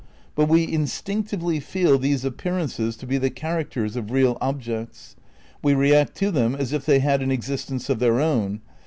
But we instinctively feel these appearances to be the characters of real objects. We react to them as if they had an ex istence of their own.